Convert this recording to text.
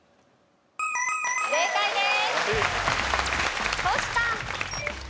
正解です。